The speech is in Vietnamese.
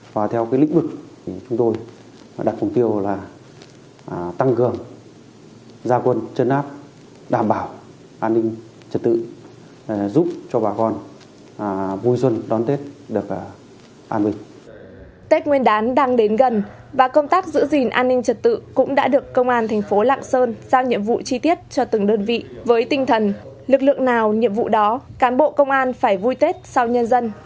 với tinh thần lực lượng nào nhiệm vụ đó cán bộ công an phải vui tết sau nhân dân